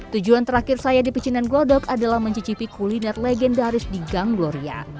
tujuan terakhir saya di pecinan glodok adalah mencicipi kuliner legendaris di gang gloria